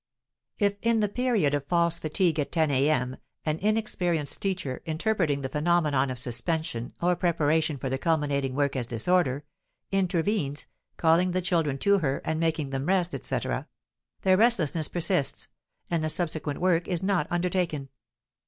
If in the period of "false fatigue" at 10 a.m. an inexperienced teacher, interpreting the phenomenon of suspension or preparation for the culminating work as disorder, intervenes, calling the children to her, and making them rest, etc., their restlessness persists, and the subsequent work is not undertaken.